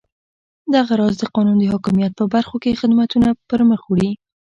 دغه راز د قانون د حاکمیت په برخو کې خدمتونه پرمخ وړي.